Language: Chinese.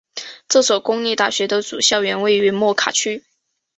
这所公立大学的主校园位于莫卡区。